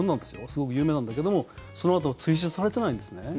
すごく有名なんだけどもそのあと追試されてないんですね。